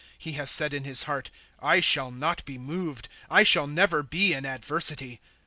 * He has said iu his heart : I shall not be moved ; I shall never be in adversity.